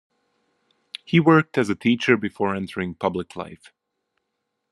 He worked as a teacher before entering public life.